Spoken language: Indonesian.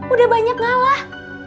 udah banyak ngalah